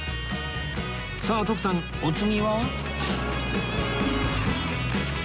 さあ徳さんお次は？